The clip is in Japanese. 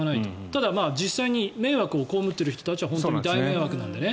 ただ実際に迷惑をこうむっている人たちは大迷惑なので。